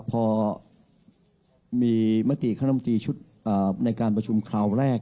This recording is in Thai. ภาระเร่งด่วนนะครับพอมีมติข้างหน้ามติชุดในการประชุมคราวแรก